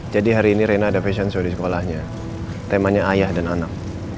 jadi hari ini rena ada fashion show di sekolahnya temanya ayah dan anak